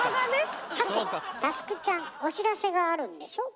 さて佑ちゃんお知らせがあるんでしょ？